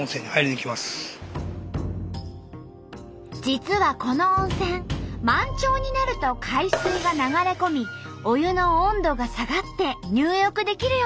実はこの温泉満潮になると海水が流れ込みお湯の温度が下がって入浴できるようになるんです。